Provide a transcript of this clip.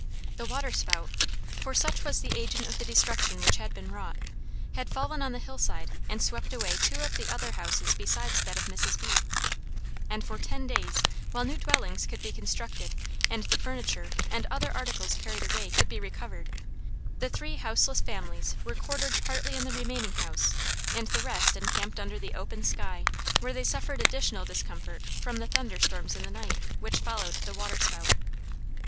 The water spout, for such was the agent of the destruction which had been wrought, had fallen on the hillside and swept away two of the other houses besides that of Mrs. B , and for ten days, while new dwellings could be constructed and the furniture and other articles carried away could be recovered, the three houseless families were quartered partly in the remaining house, and the rest encamped under the open sky, where they suffered additional discomfort from the thunder storms in the night, which followed the water spout.